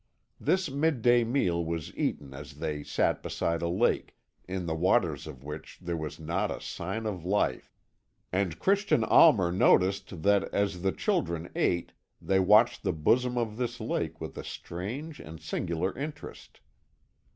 This mid day meal was eaten as they sat beside a lake, in the waters of which there was not a sign of life, and Christian Almer noticed that, as the children ate, they watched the bosom of this lake with a strange and singular interest.